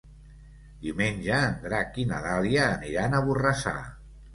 Diumenge en Drac i na Dàlia aniran a Borrassà.